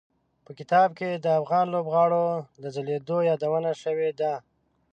په کتاب کې د افغان لوبغاړو د ځلېدو یادونه شوي ده.